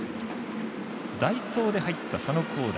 代走で入った佐野皓大。